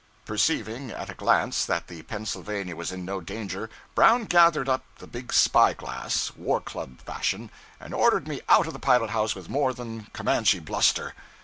Perceiving, at a glance, that the 'Pennsylvania' was in no danger, Brown gathered up the big spy glass, war club fashion, and ordered me out of the pilot house with more than Comanche bluster.